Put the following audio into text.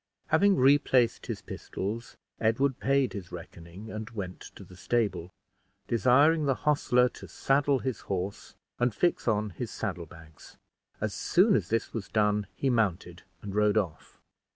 Having replaced his pistols, Edward paid his reckoning, and went to the stable, desiring the hostler to saddle his horse and fix on his saddle bags. As soon as this was done, he mounted and rode off.